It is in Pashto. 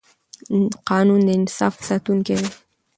قانون د انصاف ساتونکی دی